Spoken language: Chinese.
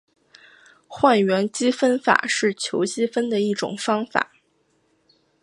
换元积分法是求积分的一种方法。